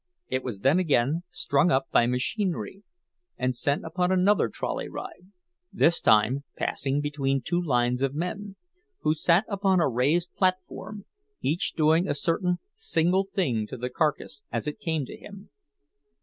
It was then again strung up by machinery, and sent upon another trolley ride; this time passing between two lines of men, who sat upon a raised platform, each doing a certain single thing to the carcass as it came to him.